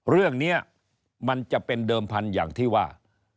เรื่องนี้มันจะเป็นเดิมพันธุ์อย่างที่ว่า